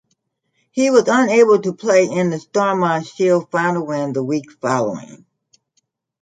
He was unavailable to play in the Stormont Shield final win the week following.